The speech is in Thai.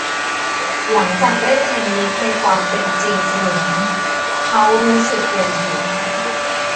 หลังจากเล่นเทนนิสในความเป็นจริงเสมือนเขารู้สึกเวียนหัว